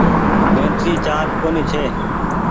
بيٽري چآرج ڪونيٚ ڇي۔